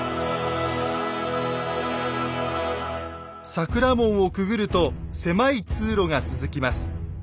桜門をくぐると狭い通路が続きます。